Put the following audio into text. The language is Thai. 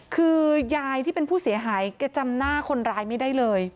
คือยายที่เป็นผู้เสียหายแกจำหน้าคนร้ายไม่ได้เลย